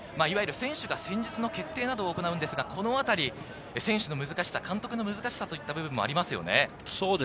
選手が戦術の決定などを行うんですが、このあたり、選手の難しさ、監督の難しさもありますね。